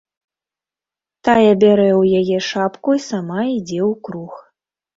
Тая бярэ ў яе шапку і сама ідзе ў круг.